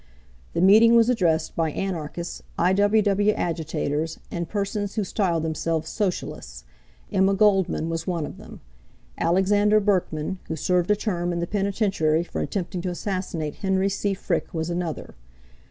The meeting was addressed by anarchists, I. W. W. agitators, and persons who styled themselves Socialists. Emma Goldman was one of them. Alexander Berkman, who served a term in the penitentiary for attempting to assassinate Henry C. Frick, was another.